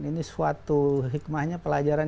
ini suatu hikmahnya pelajaran